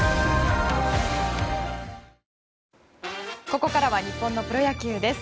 ここからは日本のプロ野球です。